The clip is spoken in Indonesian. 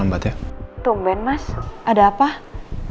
mas mbak mirna haruskan